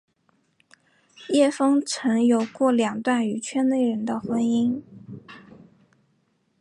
叶枫曾有过两段与圈内人的婚姻。